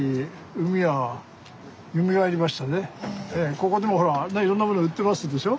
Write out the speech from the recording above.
ここでもほらあんないろんなもの売ってますでしょ？